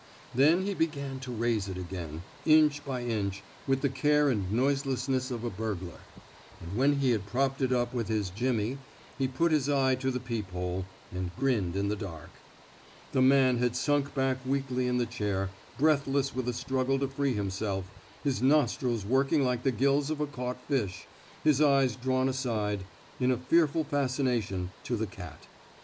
Then he began to raise it again, inch by inch, with the care and noiseless ness of a burglar; and when he had propped it up with his jimmy, '^ he put his eye to the peep hole, and grinned in the dark. The man had sunk back weakly in the chair, breathless with a struggle to free himself, his nostrils working like the gills of a caught fish, his eyes drawn aside, in a fearful fascination, to the cat.